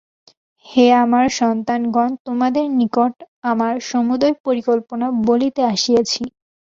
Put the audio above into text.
হে আমার সন্তানগণ, তোমাদের নিকট আমার সমুদয় পরিকল্পনা বলিতে আসিয়াছি।